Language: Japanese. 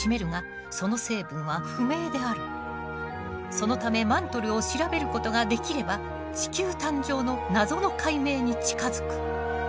そのためマントルを調べることができれば地球誕生の謎の解明に近づく。